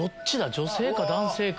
女性か男性か。